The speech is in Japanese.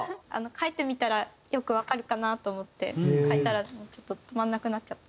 書いてみたらよくわかるかなと思って書いたらちょっと止まらなくなっちゃって。